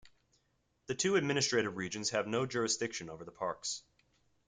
The two administrative regions have no jurisdiction over the parks.